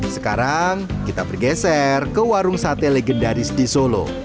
sekarang kita bergeser ke warung sate legendaris di solo